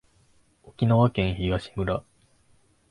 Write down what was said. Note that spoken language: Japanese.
沖縄県東村